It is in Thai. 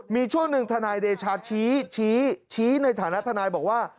มีช่วงหนึ่งทนายเดชากิติชี้ชี้ชี้ในฐานะทนายบอกว่า